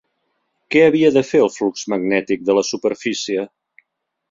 Què havia de fer el flux magnètic de la superfície?